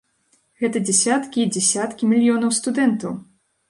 Гэта дзесяткі і дзесяткі мільёнаў студэнтаў!